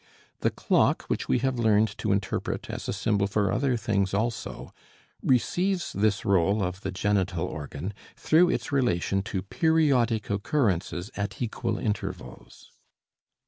The clock, which we have learned to interpret as a symbol for other things also, receives this role of the genital organ through its relation to periodic occurrences at equal intervals.